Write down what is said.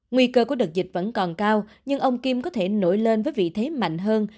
nguy cơ của đợt dịch vẫn còn cao nhưng ông kim có thể nổi lên với vị thế mạnh hơn